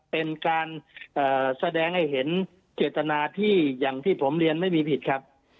เป็นการแสดงให้เห็นเจตนาที่อย่างที่ผมเรียนไม่มีผิดครับ